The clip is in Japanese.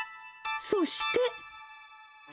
そして。